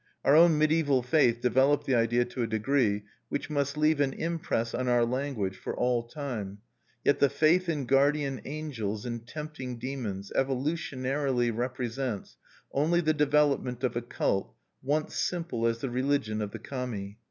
Our own mediaeval faith developed the idea to a degree which must leave an impress on our language for all time; yet the faith in guardian angels and tempting demons evolutionarily represents only the development of a cult once simple as the religion of the Kami.